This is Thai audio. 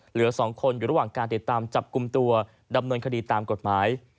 เหลือ๒คนอยู่ระหว่างการติดตามจับกลุ่มตัวดำเนินคดีตามกฎหมาย